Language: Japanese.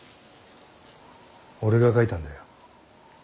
俺が書いたんだよ。